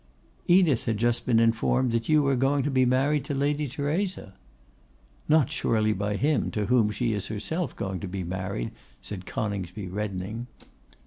'Edith had just been informed that you were going to be married to Lady Theresa.' 'Not surely by him to whom she is herself going to be married?' said Coningsby, reddening.